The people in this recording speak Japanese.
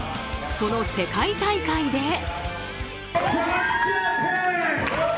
その世界大会で。